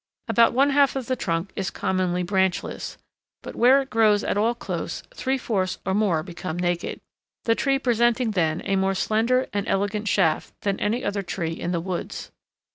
About one half of the trunk is commonly branchless, but where it grows at all close, three fourths or more become naked; the tree presenting then a more slender and elegant shaft than any other tree in the woods.